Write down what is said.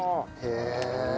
へえ。